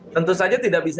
tentu saja tidak bisa